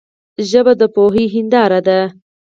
ژبه د پوهې آینه ده